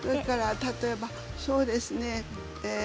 例えばそうですね